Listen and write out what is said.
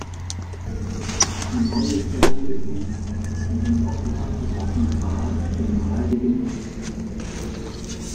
Die neue Kirche ist, wie dies auch die abgebrochene war, dem hl.